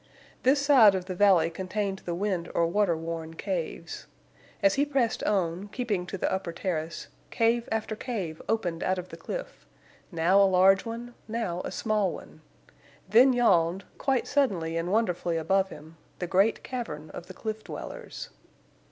This side of the valley contained the wind or water worn caves. As he pressed on, keeping to the upper terrace, cave after cave opened out of the cliff; now a large one, now a small one. Then yawned, quite suddenly and wonderfully above him, the great cavern of the cliff dwellers.